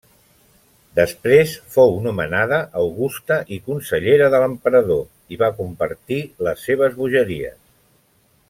Després fou nomenada augusta i consellera de l'emperador i va compartir les seves bogeries.